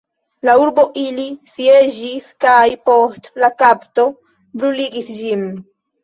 La urbon ili sieĝis kaj, post la kapto, bruligis ĝin.